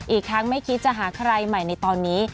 อีกทั้งไม่คิดจะหาใครใหม่ในตอนนี้